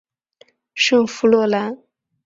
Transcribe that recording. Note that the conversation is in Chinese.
圣弗洛兰。